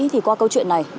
thì qua câu chuyện này